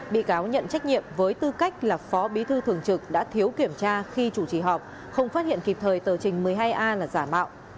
bị cáo nhận trách nhiệm với tư cách là phó bí thư thường trực đã thiếu kiểm tra khi chủ trì họp không phát hiện kịp thời tờ trình một mươi hai a là giả mạo